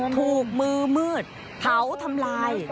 ถูกมือมืดเผาทำลาย